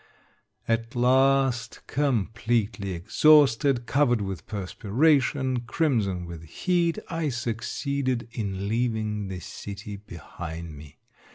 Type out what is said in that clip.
At last, completely exhausted, covered with perspiration, crimson with heat, I succeeded in" leaving the city behind me.